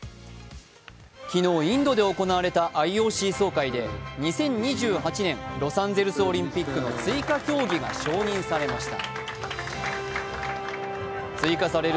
昨日、インドで行われたＩＯＣ総会で２０２８年、ロサンゼルスオリンピックの追加競技が承認されました。